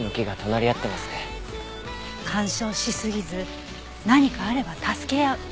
干渉しすぎず何かあれば助け合う。